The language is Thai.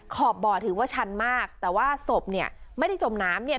ขอบบ่อถือว่าชันมากแต่ว่าศพเนี่ยไม่ได้จมน้ำเนี่ย